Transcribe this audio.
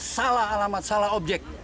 salah alamat salah objek